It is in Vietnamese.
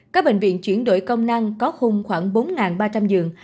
các bệnh viện chuyển đổi công năng có khung khoảng bốn ba trăm linh giường